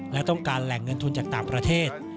และต้องการแหล่งเงินทุนจากต่างประเทศ